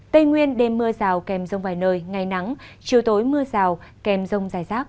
tây nguyên đêm mưa rào kèm rông vài nơi ngày nắng chiều tối mưa rào kèm rông giải sát